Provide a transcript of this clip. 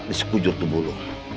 di sekujur tubuh lo